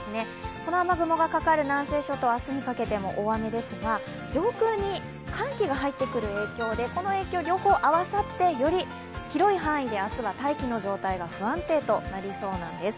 この雨雲がかかる南西諸島、明日にかけても大雨ですが、上空に寒気が入ってくる影響で、この影響が両方合わさってより広い範囲で明日は大気の状態が不安定となりそうです。